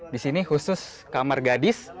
di sini khusus kamar gadis